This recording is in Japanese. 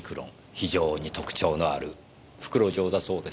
非常に特徴のある袋状だそうです。